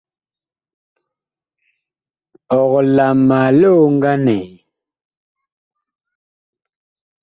Ɔg la ma li oŋganɛ?